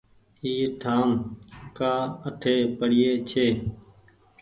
اي ٺآم ڪآ اٺي پڙيي ڇي